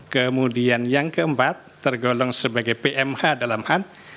kemudian yang keempat tergolong sebagai pmh dalam hal